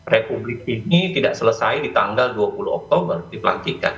republik ini tidak selesai di tanggal dua puluh oktober di pelantikan